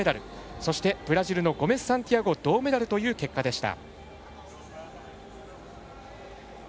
そしてブラジルのゴメスサンティアゴ銅メダルという結果でした。